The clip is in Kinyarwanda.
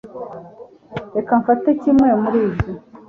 Reka mfate kimwe muri ibyo